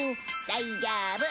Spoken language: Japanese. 大丈夫。